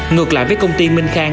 ngược lại với công ty minh khang